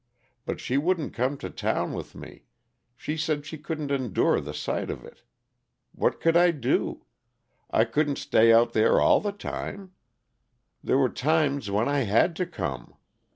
But she wouldn't come to town with me she said she couldn't endure the sight of it. What could I do? I couldn't stay out there all the time; there were times when I had to come.